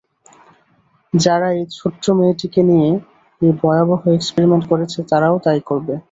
যারা এই ছোট্ট মেয়েটিকে নিয়ে এই ভয়াবহ এক্সপেরিমেন্ট করছে, তারাও তাই করবে।